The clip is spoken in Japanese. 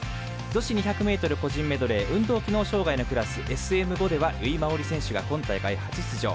女子２００ｍ個人メドレー運動機能障がいのクラスＳＭ５では由井真緒里選手が今大会初出場。